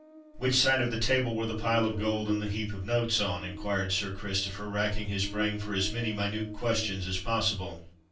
"Which side of the table were the pile of gold and the heap of notes on?" inquired Sir Christopher, racking his brain for as many minute questions as possible.